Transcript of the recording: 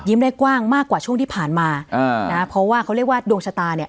ได้กว้างมากกว่าช่วงที่ผ่านมาอ่านะฮะเพราะว่าเขาเรียกว่าดวงชะตาเนี่ย